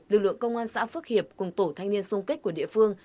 lực lượng công an xã phước hiệp cùng tổ thanh niên sung kích của địa phương